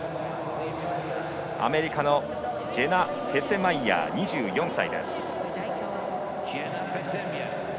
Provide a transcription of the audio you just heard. アメリカのジェナ・フェセマイヤー、２４歳。